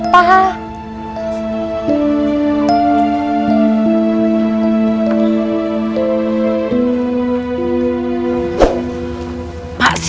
gak akan kelamin